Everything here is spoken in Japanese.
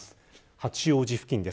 八王子付近です。